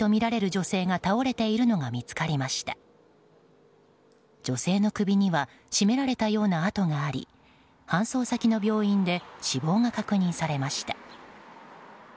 女性の首には絞められたような痕があり搬送先の病院で死亡が確認されました。